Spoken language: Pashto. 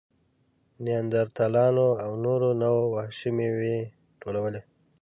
نیاندرتالانو او نورو نوعو وحشي مېوې ټولولې.